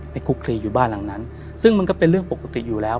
คุกคลีอยู่บ้านหลังนั้นซึ่งมันก็เป็นเรื่องปกติอยู่แล้ว